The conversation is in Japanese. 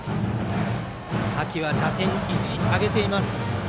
秋は打点１、挙げています。